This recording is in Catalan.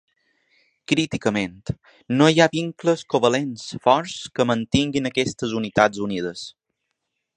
Críticament, no hi ha vincles ‘covalents’ forts que mantinguin aquestes unitats unides.